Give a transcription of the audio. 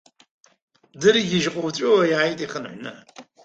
Дыргьежь ҟу-ҵәуо иааит ихынҳәны.